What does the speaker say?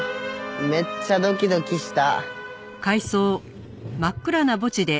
めっちゃドキドキした。